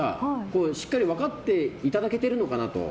しっかりと分かっていただけてるのかなと。